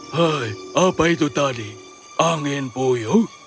hei apa itu tadi angin puyuh